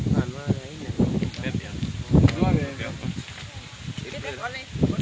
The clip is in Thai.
สวัสดีครับทุกคน